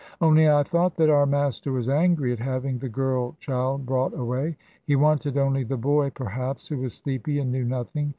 Only I thought that our master was angry at having the girl child brought away. He wanted only the boy perhaps, who was sleepy and knew nothing.